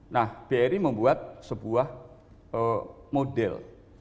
nah bri membuat sebuah model